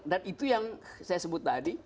dan itu yang saya sebut tadi